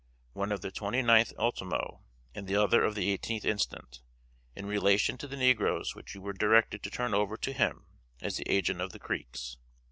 (one of the twenty ninth ultimo and the other of the eighteenth instant,) in relation to the negroes which you were directed to turn over to him as the agent of the Creeks.